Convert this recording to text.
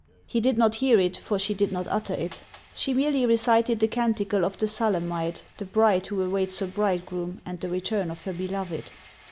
He did not hear it, for she did not utter it ; she merely recited the canticle of the Sulamite, the bride who awaits her bridegroom and the return of her beloved.